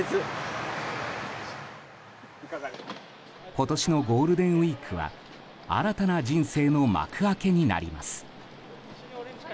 今年のゴールデンウィークは新たな人生の幕開けになります。